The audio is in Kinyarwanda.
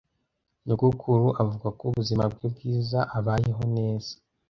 Nyogokuru avuga ko ubuzima bwe bwiza abayeho neza.